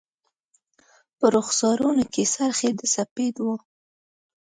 په رخسارونو کي سر خې د سپید و